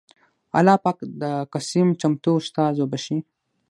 اللهٔ پاک د قسيم چمتو استاد وبښي